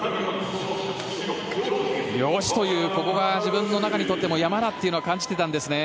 よしというここが自分の中にとっても山だというのは感じてたんですね。